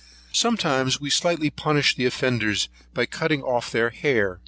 Sometimes we slightly punished the offenders, by cutting off their hair.